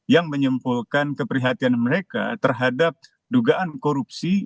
yang menyimpulkan keprihatinan mereka terhadap dugaan korupsi